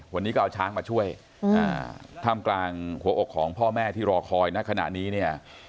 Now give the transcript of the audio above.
วันนี้ก็เอาช้างมาช่วยท่ามกลางหัวอกของพ่อแม่ที่รอคอยนะขณะนี้เนี่ย